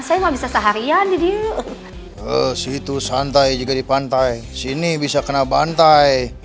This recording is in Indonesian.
saya bisa seharian didiru situ santai juga di pantai sini bisa kena bantai